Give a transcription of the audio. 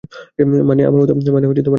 মানে আমার মতো।